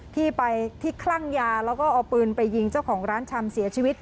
ที่ไปที่คลั่งยาแล้วก็เอาปืนไปยิงเจ้าของร้านชำเสียชีวิต